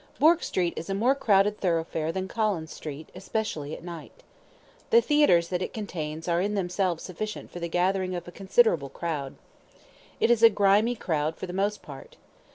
Bourke Street is a more crowded thoroughfare than Collins Street, especially at night. The theatres that it contains are in themselves sufficient for the gathering of a considerable crowd. It is a grimy crowd for the most part.